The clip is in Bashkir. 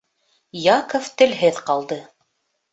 Яков телһеҙ ҡалды.